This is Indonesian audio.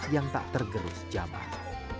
yang tak tergerus jamah